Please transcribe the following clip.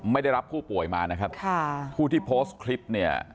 ไม่ได้รับผู้ป่วยมานะครับค่ะผู้ที่โพสต์คลิปเนี่ย